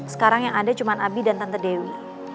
sekarang yang ada cuma abi dan tante dewi